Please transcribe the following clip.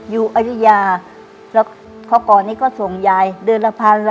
อยู่อัยยาแล้วเค้าก่อนนี้ก็ส่งยายเดินละพัน